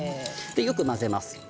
よく混ぜます。